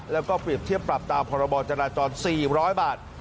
แล้วก็ปรีบเทียบปรับตามพบจราจรสี่ร้อยบาท